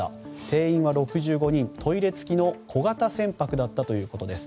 定員は６５人、トイレ付きの小型船舶だったということです。